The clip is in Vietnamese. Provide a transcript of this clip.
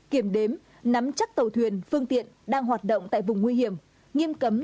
kiểm đếm nắm chắc tàu thuyền phương tiện đang hoạt động tại vùng nguy hiểm nghiêm cấm tàu cá ra khơi